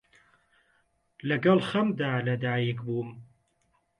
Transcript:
لەگەڵ خەمدا لە دایک بووم،